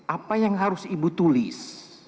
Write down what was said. apa yang harus ibu tulis